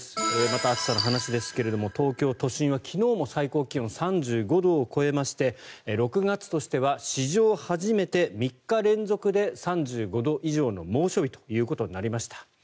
また暑さの話ですが東京都心は昨日も最高気温が３５度を超えまして６月としては史上初めて３日連続で３５度以上の猛暑日となりました。